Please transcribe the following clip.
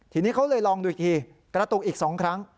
ทีนี้เขาเลยลองดูอีกทีกระตุกอีก๒ครั้ง